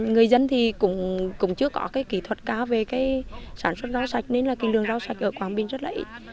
người dân thì cũng chưa có kỹ thuật cao về sản xuất rau sạch nên là kinh đường rau sạch ở quảng bình rất là ít